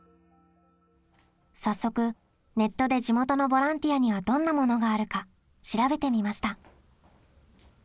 早速ネットで地元のボランティアにはどんなものがあるか調べてみました。